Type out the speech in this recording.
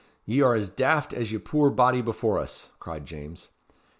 ye are as daft as the puir body before us," cried James.